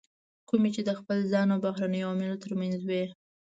کومې چې د خپل ځان او بهرنیو عواملو ترمنځ وي.